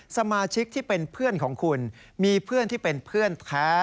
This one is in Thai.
สมาชิกที่เป็นเพื่อนของคุณมีเพื่อนที่เป็นเพื่อนแท้